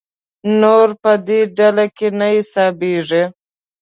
نور په دې ډله کې نه حسابېږي.